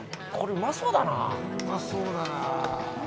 うまそうだなあ。